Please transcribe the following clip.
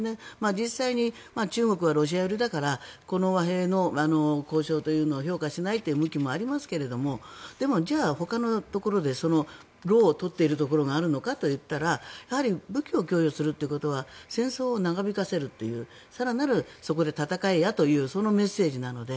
実際に中国はロシア寄りだからこの和平の交渉というのを評価しないという向きもありますがでも、じゃあほかのところで労を取っているところがあるのかといったら武器を供与するということは戦争を長引かせるという更なるそこで戦えというメッセージなので。